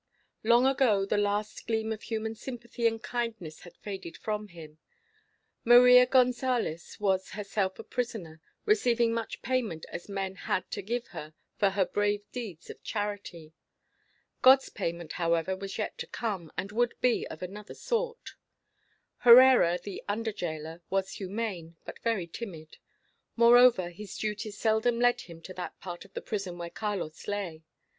Long ago the last gleam of human sympathy and kindness had faded from him. Maria Gonsalez was herself a prisoner, receiving such payment as men had to give her for her brave deeds of charity. God's payment, however, was yet to come, and would be of another sort. Herrera, the under gaoler, was humane, but very timid; moreover, his duties seldom led him to that part of the prison where Carlos lay.